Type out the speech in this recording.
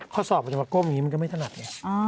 ข้อสอบมันจะมาก้มอย่างนี้มันก็ไม่ถนัดไง